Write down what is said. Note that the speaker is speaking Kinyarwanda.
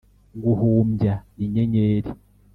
guhumbya inyenyeri